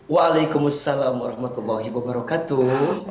waalaikumsalam warahmatullahi wabarakatuh